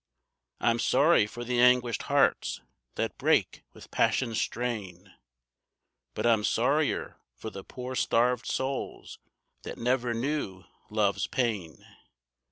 I'm sorry for the anguished hearts that break with passion's strain, But I'm sorrier for the poor starved souls that never knew love's pain.